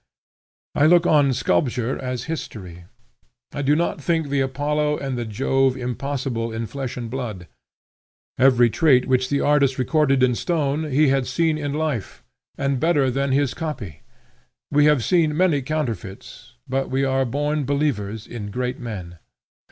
I look on Sculpture as history. I do not think the Apollo and the Jove impossible in flesh and blood. Every trait which the artist recorded in stone he had seen in life, and better than his copy. We have seen many counterfeits, but we are born believers in great men.